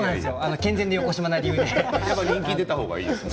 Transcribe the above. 健全なよこしまな理由で。